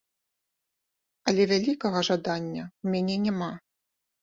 Але вялікага жадання ў мяне няма.